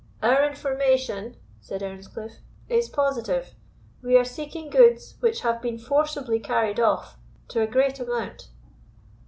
"Our information," said Earnscliff; "is positive; we are seeking goods which have been forcibly carried off, to a great amount."